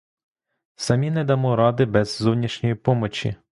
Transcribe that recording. Самі не дамо ради без зовнішньої помочі.